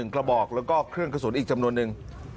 กระบอกแล้วก็เครื่องกระสุนอีกจำนวนนึง